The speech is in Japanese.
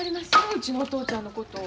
うちのお父ちゃんのこと。